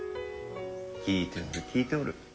聞いておる聞いておる。